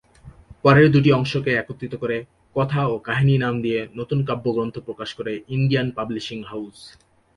পরে দুটি অংশকে একত্রিত করে "কথা ও কাহিনী" নাম দিয়ে নতুন কাব্যগ্রন্থ প্রকাশ করে ইন্ডিয়ান পাবলিশিং হাউস।